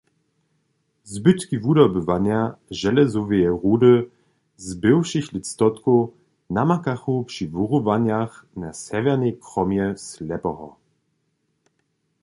Zbytki wudobywanja železoweje rudy z bywšich lětstotkow namakachu při wurywanjach na sewjernej kromje Slepoho.